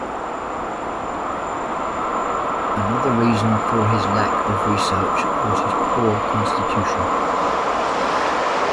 Another reason for his lack of research was his poor constitution.